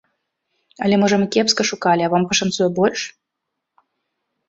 Але, можа, мы кепска шукалі, а вам пашанцуе больш?